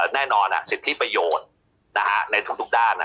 แน่นอนสิทธิประโยชน์ในทุกด้าน